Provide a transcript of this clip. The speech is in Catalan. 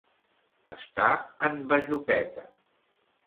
Estar en bajoqueta.